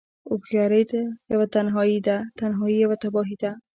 هوښياری يوه تنهايی ده، تنهايی يوه تباهی ده